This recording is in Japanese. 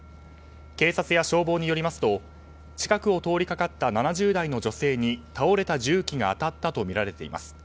警察や消防によりますと近くを通りかかった７０代の女性に倒れた重機が当たったとみられています。